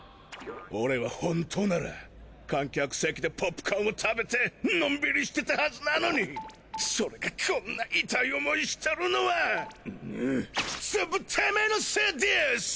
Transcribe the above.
オレはホントなら観客席でポップコーンを食べてのんびりしてたはずなのにそれがこんな痛い思いしてるのは全部てめえのせいディス！